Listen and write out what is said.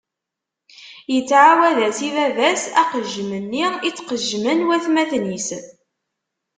Ittɛawad-as i baba-s aqejjem-nni i ttqejjimen watmaten-is.